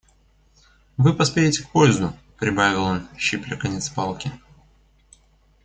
Вы поспеете к поезду,— прибавил он, щипля конец палки.